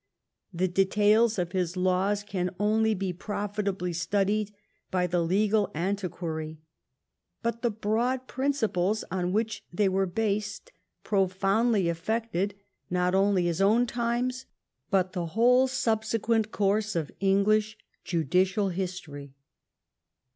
The details of his laws can only be profitably studied by the legal antiquary ; but the broad principles on which they were based profoundly affected not only his own times but the whole subsequent course of English judicial history.